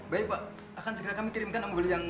baik pak akan segera kami kirimkan mobil yang